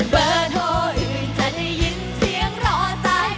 เบอร์โทรอื่นจะได้ยินเสียงรอใจ